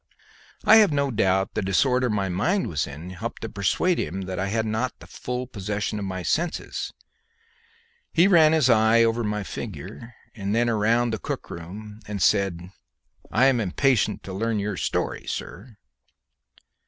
I have no doubt the disorder my mind was in helped to persuade him that I had not the full possession of my senses. He ran his eye over my figure and then round the cook room, and said, "I am impatient to learn your story, sir."